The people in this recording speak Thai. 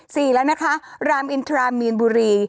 สี่แล้วนะคะรามอินทรามีนบุรี